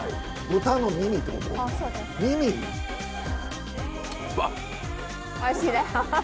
豚の耳ってこと？